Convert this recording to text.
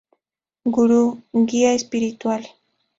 Gurú: Guía Espiritual.